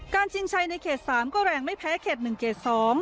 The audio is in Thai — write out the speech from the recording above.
ชิงชัยในเขต๓ก็แรงไม่แพ้เขต๑เขต๒